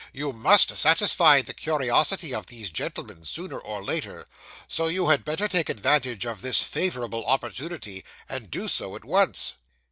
'You must satisfy the curiosity of these gentlemen, sooner or later; so you had better take advantage of this favourable opportunity, and do so at once.